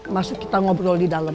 masih kita ngobrol di dalam